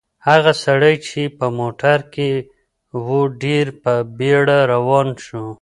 هغه سړی چې په موټر کې و ډېر په بیړه روان شو.